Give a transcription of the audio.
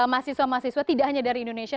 mahasiswa mahasiswa tidak hanya dari indonesia